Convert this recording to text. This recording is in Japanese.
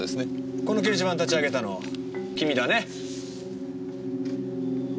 この掲示板立ち上げたの君だね？